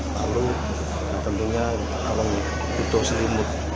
lalu yang tentunya kalau butuh selimut